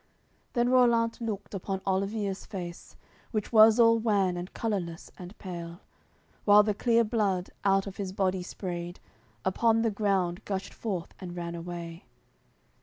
AOI. CXLVIII Then Rollant looked upon Olivier's face; Which was all wan and colourless and pale, While the clear blood, out of his body sprayed, Upon the ground gushed forth and ran away.